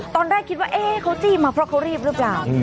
ตอนแรกคิดว่าเอ๊ะเขาจี้มาเพราะเขารีบหรือเปล่า